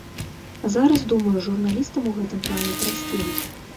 Зараз, думаю, журналістам у гэтым плане прасцей.